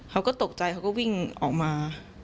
เขาก็ตกใจเขาก็วิ่งออกมา